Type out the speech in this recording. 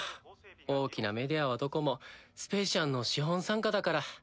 大きなメディアはどこもスペーシアンの資本傘下だから。